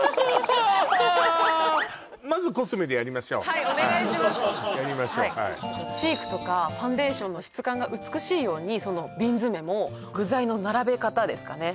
はいやりましょうはいチークとかファンデーションの質感が美しいように瓶詰も具材の並べ方ですかね